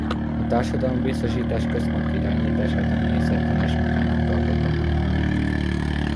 A társadalombiztosítás központi irányítását a minisztertanács magának tartotta fenn.